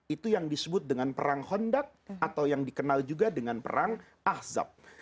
itu yang disebut dengan perang hondak atau yang dikenal juga dengan perang ahzab